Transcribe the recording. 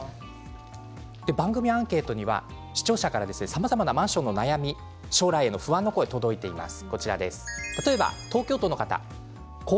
番組アンケートには視聴者からさまざまなマンションの悩み将来への不安の声が届いています。